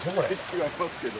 違いますけど。